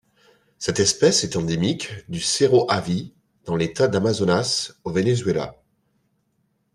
Cette espèce est endémique du Cerro Yaví dans l'État d'Amazonas au Venezuela.